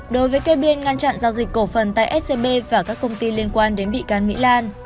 đối với cây biên ngăn chặn giao dịch cổ phần tại scb và các công ty liên quan đến bị can mỹ lan